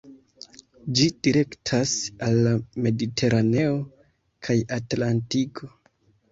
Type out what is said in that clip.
Ĝi direktas al la Mediteraneo kaj Atlantiko.